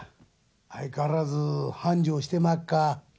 相変わらず繁盛してまっか？